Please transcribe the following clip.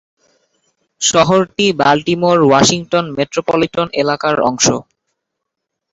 শহরটি Baltimore Washington metropolitan এলাকার অংশ।